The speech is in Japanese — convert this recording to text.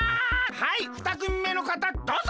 はい２くみめのかたどうぞ！